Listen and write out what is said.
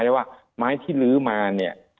ได้ว่าไม้ที่ลื้อมาเนี่ย